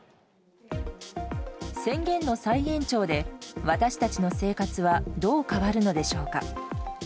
宣言の再延長で私たちの生活はどう変わるのでしょうか。